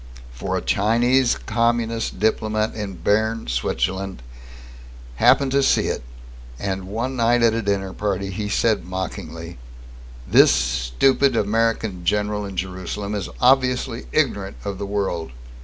For a Chinese Communist diplomat in Berne, Switzerland, happened to see it and, one night at a dinner party, he said mockingly: "This stupid American general in Jerusalem is obviously ignorant of the world.